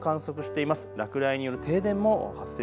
雷も観測しています。